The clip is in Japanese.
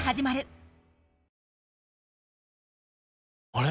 あれ？